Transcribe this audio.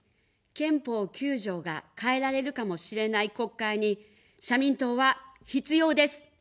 憲法９条が変えられるかもしれない国会に、社民党は必要です。